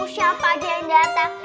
siapa aja yang dateng